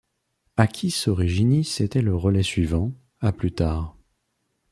Aquis Originis était le relais suivant, à plus tard.